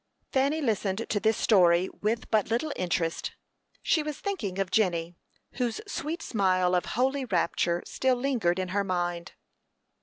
Fanny listened to this story with but little interest. She was thinking of Jenny, whose sweet smile of holy rapture still lingered in her mind.